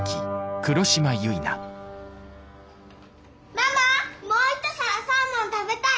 ママもう一皿サーモン食べたい！